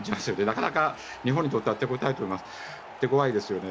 なかなか日本にとっては手ごわいですよね。